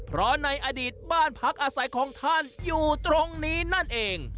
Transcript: เพราะในอดีตบ้านพักอาศัยของท่านอยู่ตรงนี้นั่นเอง